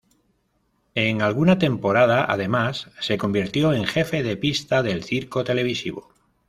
En alguna temporada, además, se convirtió en jefe de pista del circo televisivo.